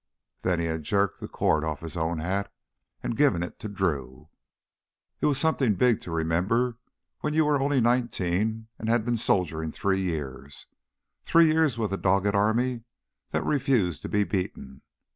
Then he had jerked the cord off his own hat and given it to Drew. It was something big to remember when you were only nineteen and had been soldiering three years, three years with a dogged army that refused to be beaten.